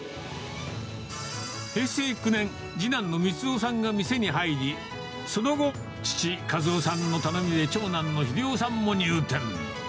平成９年、次男の光夫さんが店に入り、その後、父、昭夫さんの頼みで長男の英夫さんも入店。